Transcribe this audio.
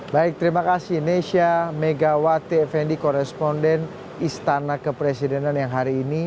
baik terima kasih nesya megawati effendi koresponden istana kepresidenan yang hari ini